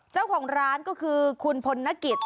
เจ้าของร้านก็คือคุณพลนกิจ